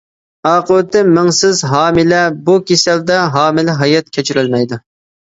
ئاقىۋىتى مېڭىسىز ھامىلە بۇ كېسەلدە ھامىلە ھايات كەچۈرەلمەيدۇ.